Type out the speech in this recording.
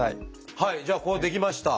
はいじゃあこうできました。